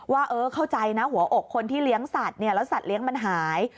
ว่าเออเข้าใจนะหัวอกคนที่เลี้ยงสัตว์เนี่ยแล้วสัตว์เลี้ยงมันหาย